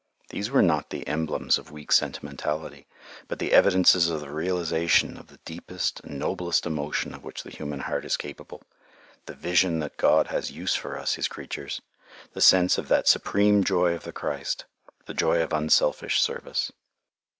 These were not the emblems of weak sentimentality, but the evidences of the realization of the deepest and noblest emotion of which the human heart is capable, the vision that God has use for us his creatures, the sense of that supreme joy of the Christ, the joy of unselfish service.